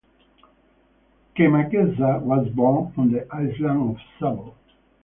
Kemakeza was born on the island of Savo.